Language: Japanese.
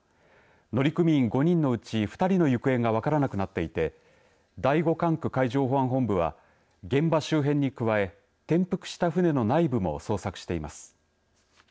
乗組員５人のうち２人の行方が分からなくなっていて第５管区海上保安本部は現場周辺に加え転覆した船の内部も捜索しています。